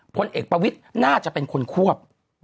พลเอกประวิทย์น่าจะเป็นคนควบ